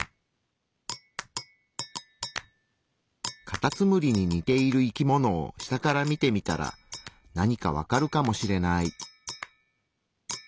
カタツムリに似ている生き物を下から見てみたらなにか分かるかもしれない。